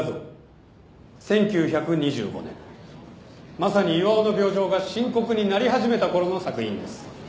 まさに巌の病状が深刻になり始めたころの作品です。